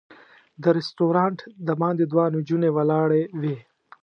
د رسټورانټ د باندې دوه نجونې ولاړې وې.